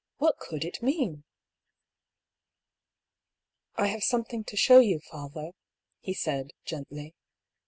What could it mean? " I have something to show you, father," he said, gently.